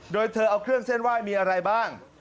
โดยเธอเอาเครื่องเส้นไหว้มีอะไรบ้าง